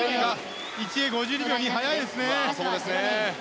池江、５２秒速いですね。